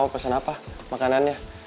mau pesen apa makanannya